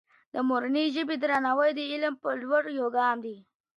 د مورنۍ ژبې درناوی د علم په لور یو ګام دی.